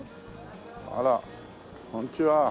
あらこんにちは。